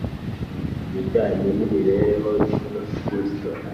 ibijyanye n’ imibereho y Umukristo